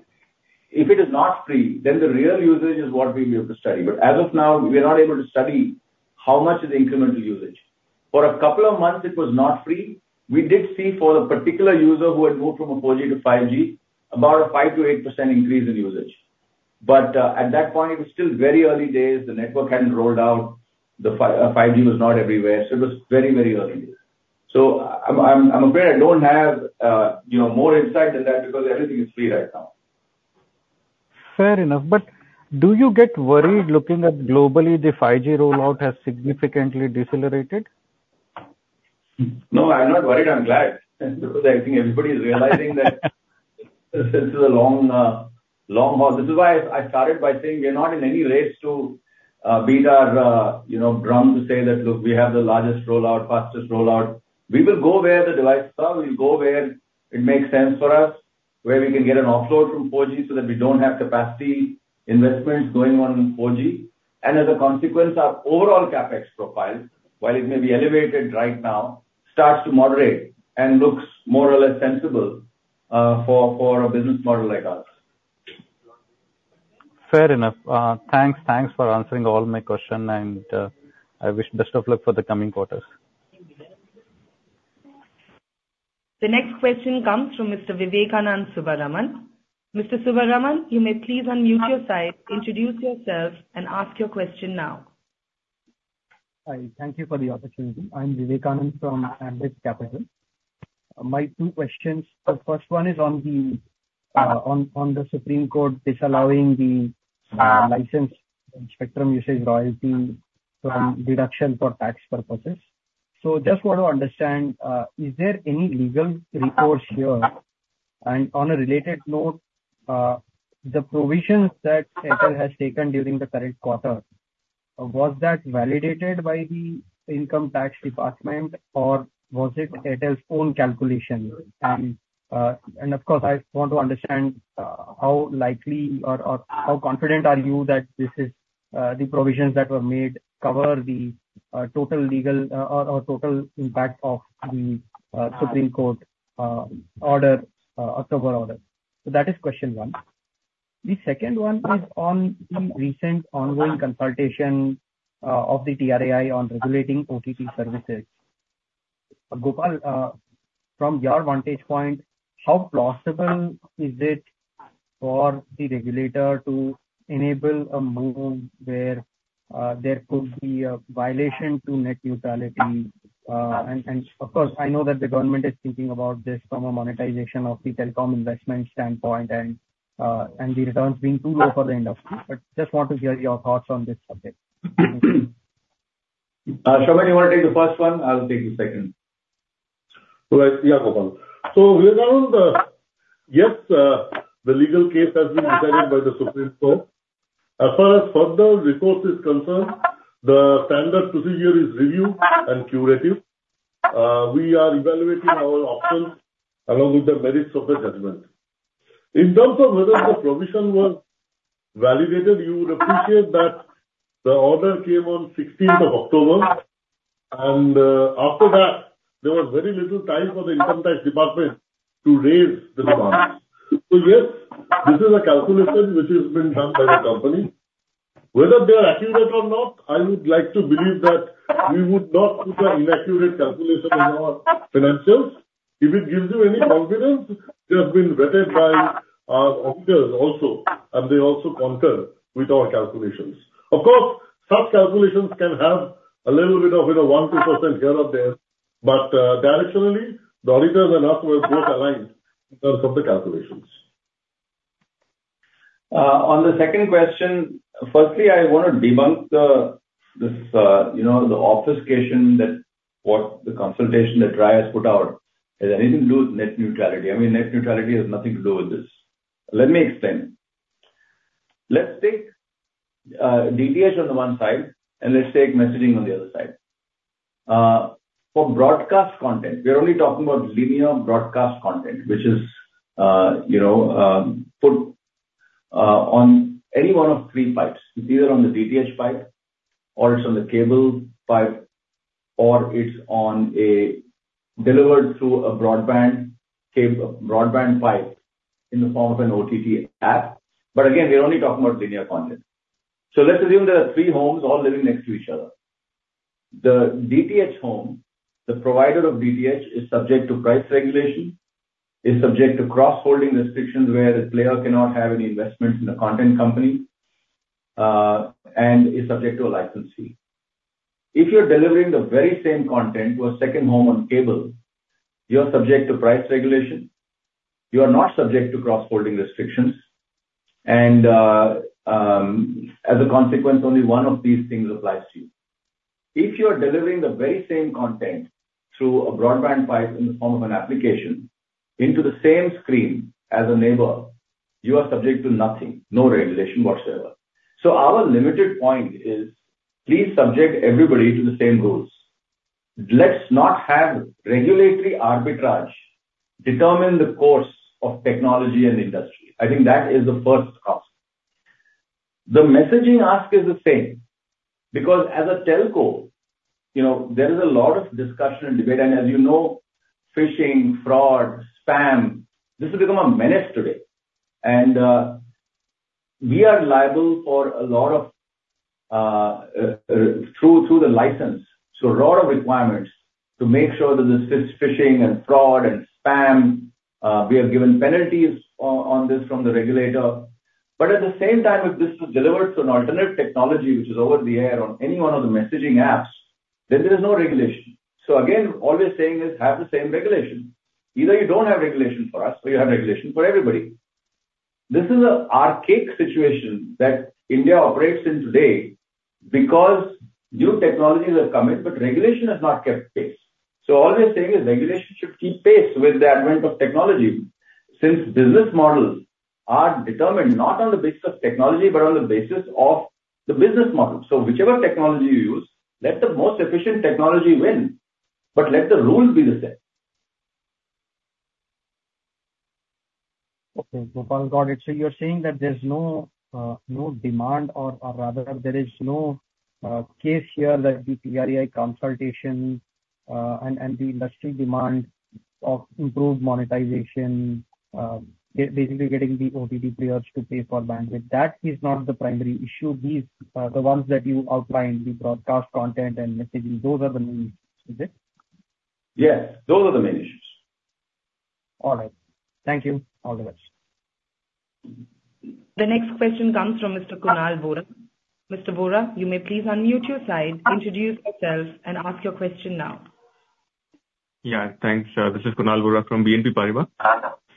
If it is not free, then the real usage is what we'll be able to study. But as of now, we are not able to study how much is the incremental usage. For a couple of months, it was not free. We did see for a particular user who had moved from a 4G to 5G, about a 5%-8% increase in usage. But at that point, it was still very early days. The network hadn't rolled out. The 5G was not everywhere, so it was very, very early days. So I'm afraid I don't have, you know, more insight than that because everything is free right now.
Fair enough. But do you get worried looking at globally, the 5G rollout has significantly decelerated?
No, I'm not worried, I'm glad. Because I think everybody's realizing that this is a long, long haul. This is why I, I started by saying we are not in any race to beat our, you know, drum, to say that, "Look, we have the largest rollout, fastest rollout." We will go where the devices are. We'll go where it makes sense for us, where we can get an offload from 4G, so that we don't have capacity investments going on in 4G. And as a consequence, our overall CapEx profile, while it may be elevated right now, starts to moderate and looks more or less sensible, for, for a business model like ours.
Fair enough. Thanks, thanks for answering all my question, and I wish best of luck for the coming quarters.
The next question comes from Mr. Vivekanand Subbaraman. Mr. Subbaraman, you may please unmute your side, introduce yourself, and ask your question now.
Hi, thank you for the opportunity. I'm Vivekanand from Ambit Capital. My two questions. The first one is on the, on the Supreme Court disallowing the, license spectrum usage royalty from deduction for tax purposes. So just want to understand, is there any legal recourse here? And on a related note, the provisions that Airtel has taken during the current quarter, was that validated by the Income Tax Department, or was it Airtel's own calculation? And, and of course, I want to understand, how likely or, or how confident are you that this is, the provisions that were made cover the, total legal, or, or total impact of the, Supreme Court, order, October order? So that is question one. The second one is on the recent ongoing consultation, of the TRAI on regulating OTT services. Gopal, from your vantage point, how plausible is it for the regulator to enable a move where there could be a violation to net neutrality? And, of course, I know that the government is thinking about this from a monetization of the telecom investment standpoint, and the returns being too low for the industry. But just want to hear your thoughts on this subject.
Soumen, you want to take the first one? I'll take the second.
Right. Yeah, Gopal. So we are on the. Yes, the legal case has been decided by the Supreme Court. As far as further recourse is concerned, the standard procedure is review and curative. We are evaluating our options along with the merits of the judgment. In terms of whether the provision was validated, you would appreciate that the order came on sixteenth of October, and, after that, there was very little time for the Income Tax Department to raise this one. So yes, this is a calculation which has been done by the company. Whether they are accurate or not, I would like to believe that we would not put an inaccurate calculation in our financials. If it gives you any confidence, they have been vetted by our auditors also, and they also concur with our calculations. Of course, such calculations can have a little bit of, you know, 1%-2% here or there, but directionally, the auditors and us were both aligned in terms of the calculations....
on the second question, firstly, I want to debunk the, this, you know, the obfuscation that what the consultation that TRAI has put out, has anything to do with net neutrality. I mean, net neutrality has nothing to do with this. Let me explain. Let's take, DTH on the one side, and let's take messaging on the other side. For broadcast content, we are only talking about linear broadcast content, which is, you know, put on any one of three pipes, either on the DTH pipe or it's on the cable pipe, or it's on a delivered through a broadband broadband pipe in the form of an OTT app. But again, we're only talking about linear content. So let's assume there are three homes all living next to each other. The DTH home, the provider of DTH, is subject to price regulation, is subject to cross-holding restrictions, where the player cannot have any investment in a content company, and is subject to a license fee. If you're delivering the very same content to a second home on cable, you are subject to price regulation, you are not subject to cross-holding restrictions, and, as a consequence, only one of these things applies to you. If you are delivering the very same content through a broadband pipe in the form of an application into the same screen as a neighbor, you are subject to nothing, no regulation whatsoever. So our limited point is, please subject everybody to the same rules. Let's not have regulatory arbitrage determine the course of technology and industry. I think that is the first ask. The messaging ask is the same, because as a telco, you know, there is a lot of discussion and debate, and as you know, phishing, fraud, spam, this has become a menace today. And we are liable for a lot of through the license, so a lot of requirements to make sure that this phishing and fraud and spam, we are given penalties on this from the regulator. But at the same time, if this is delivered to an alternate technology, which is over the air on any one of the messaging apps, then there is no regulation. So again, all we're saying is have the same regulation. Either you don't have regulation for us, or you have regulation for everybody. This is an archaic situation that India operates in today because new technologies have come in, but regulation has not kept pace. All we're saying is regulation should keep pace with the advent of technology, since business models are determined not on the basis of technology, but on the basis of the business model. Whichever technology you use, let the most efficient technology win, but let the rules be the same.
Okay, Gopal, got it. So you're saying that there's no demand, or rather there is no case here that the TRAI consultation and the industry demand of improved monetization, basically getting the OTT players to pay for bandwidth. That is not the primary issue. These are the ones that you outlined, the broadcast content and messaging, those are the main, is it?
Yes, those are the main issues.
All right. Thank you. All the best.
The next question comes from Mr. Kunal Vora. Mr. Vora, you may please unmute your side, introduce yourself, and ask your question now.
Yeah, thanks. This is Kunal Vora from BNP Paribas.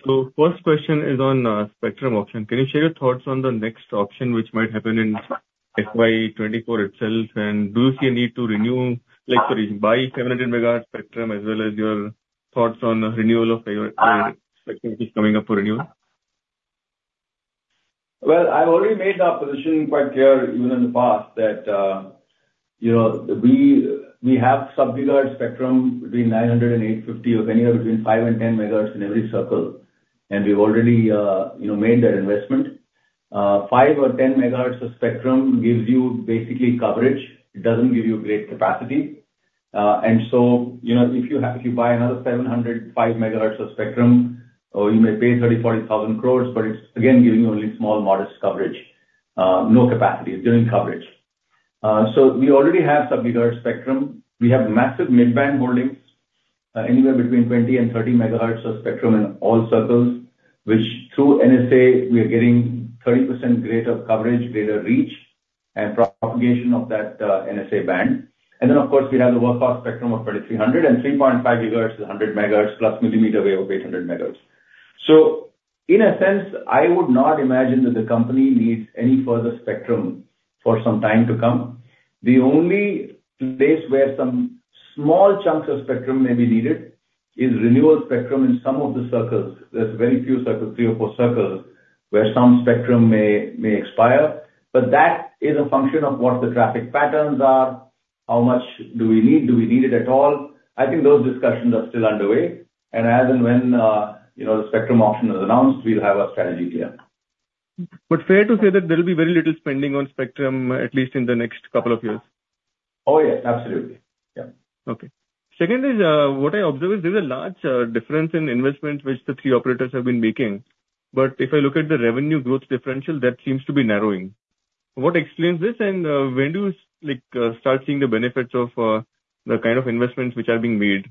So first question is on spectrum auction. Can you share your thoughts on the next auction, which might happen in FY 2024 itself? And do you see a need to renew, like to buy 700 MHz spectrum, as well as your thoughts on the renewal of your spectrum, which is coming up for renewal?
Well, I've already made our position quite clear, even in the past, that, you know, we, we have sub-GHz spectrum between 900 and 850, or anywhere between 5 MHz and 10 MHz in every circle, and we've already, you know, made that investment. 5 MHz or 10 MHz of spectrum gives you basically coverage, it doesn't give you great capacity. And so, you know, if you buy another 700 MHz, 5 MHz of spectrum, or you may pay 30,000-40,000 crore, but it's again, giving you only small, modest coverage, no capacity, it's giving coverage. So we already have sub-GHz spectrum. We have massive mid-band holdings, anywhere between 20 MHz and 30 MHz of spectrum in all circles, which through NSA, we are getting 30% greater coverage, greater reach and propagation of that, NSA band. Then, of course, we have the workhorse spectrum of 3,300 and 3.5 GHz, which is 100 MHz plus millimeter wave of 800 MHz. So in a sense, I would not imagine that the company needs any further spectrum for some time to come. The only place where some small chunks of spectrum may be needed is renewal spectrum in some of the circles. There's very few circles, three or four circles, where some spectrum may expire, but that is a function of what the traffic patterns are. How much do we need? Do we need it at all? I think those discussions are still underway, and as and when, you know, the spectrum auction is announced, we'll have our strategy clear.
Fair to say that there will be very little spending on spectrum, at least in the next couple of years?
Oh, yeah, absolutely. Yeah.
Okay. Second is, what I observe is there's a large difference in investments which the three operators have been making. But if I look at the revenue growth differential, that seems to be narrowing. What explains this? And, when do you, like, start seeing the benefits of, the kind of investments which are being made?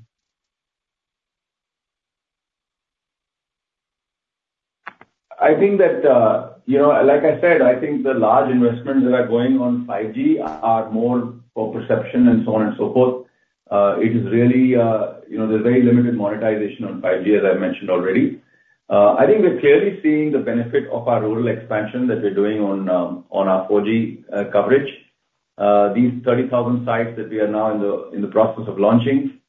I think that, you know, like I said, I think the large investments that are going on 5G are more for perception and so on and so forth. It is really, you know, there's very limited monetization on 5G, as I mentioned already. I think we're clearly seeing the benefit of our rural expansion that we're doing on, on our 4G coverage. These 30,000 sites that we are now in the, in the process of launching,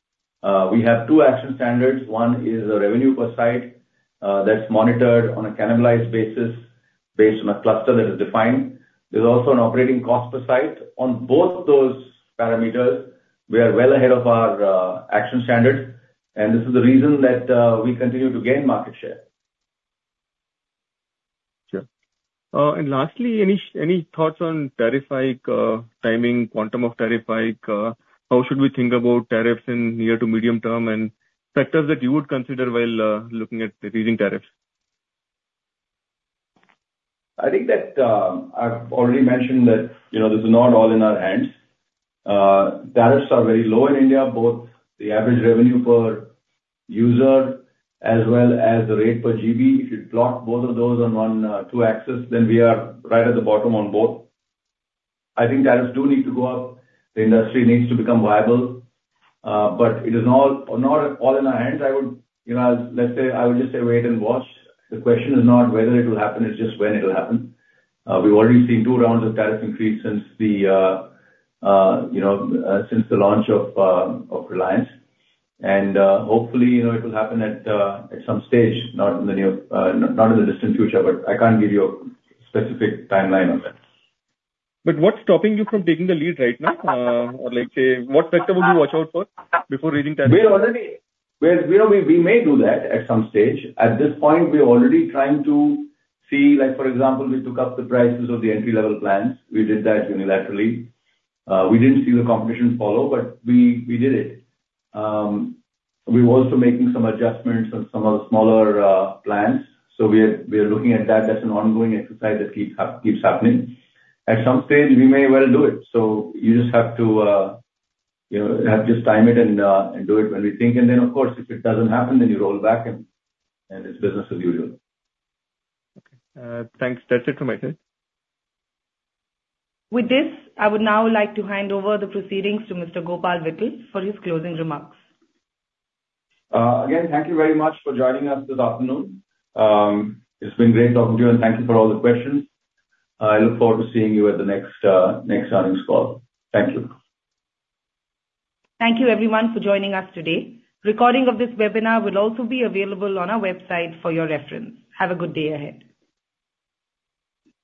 we have two action standards. One is a revenue per site, that's monitored on a cannibalized basis based on a cluster that is defined. There's also an operating cost per site. On both those parameters, we are well ahead of our, action standard, and this is the reason that, we continue to gain market share.
Sure. Lastly, any thoughts on tariff hike, timing, quantum of tariff hike? How should we think about tariffs in near to medium term, and factors that you would consider while looking at raising tariffs?
I think that, I've already mentioned that, you know, this is not all in our hands. Tariffs are very low in India, both the average revenue per user as well as the rate per GB. If you plot both of those on one, two axes, then we are right at the bottom on both. I think tariffs do need to go up. The industry needs to become viable, but it is not, not all in our hands. I would, you know, let's say, I would just say wait and watch. The question is not whether it will happen, it's just when it will happen. We've already seen two rounds of tariff increase since the, you know, since the launch of, of Reliance. Hopefully, you know, it will happen at some stage, not in the near, not in the distant future, but I can't give you a specific timeline on that.
But what's stopping you from taking the lead right now? Or, like, say, what factor would you watch out for before raising tariffs?
Well, we may do that at some stage. At this point, we are already trying to see, like, for example, we took up the prices of the entry-level plans. We did that unilaterally. We didn't see the competition follow, but we did it. We're also making some adjustments on some of the smaller plans, so we are looking at that as an ongoing exercise that keeps happening. At some stage, we may well do it, so you just have to, you know, have to time it and do it when we think. And then, of course, if it doesn't happen, then you roll back, and it's business as usual.
Okay. Thanks. That's it from my side.
With this, I would now like to hand over the proceedings to Mr. Gopal Vittal for his closing remarks.
Again, thank you very much for joining us this afternoon. It's been great talking to you, and thank you for all the questions. I look forward to seeing you at the next next earnings call. Thank you.
Thank you, everyone, for joining us today. Recording of this webinar will also be available on our website for your reference. Have a good day ahead.